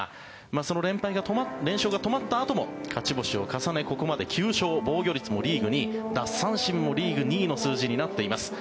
その連勝が止まったあとも勝ち星を重ね、ここまで９勝防御率もリーグ２位奪三振もリーグ２位の数字になっています。